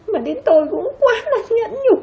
mà đến tôi cũng quá là nhẫn nhục